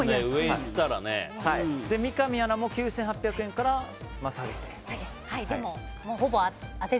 三上アナも９８００円から下げて。